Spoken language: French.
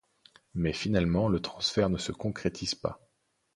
Mais finalement le transfert ne se concrétise pas.